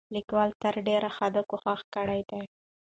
لیکوال تر ډېره حده کوښښ کړی دی،